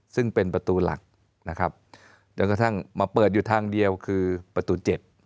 ซึ่งเป็นประตูหลักนะครับจนกระทั่งมาเปิดอยู่ทางเดียวคือประตู๗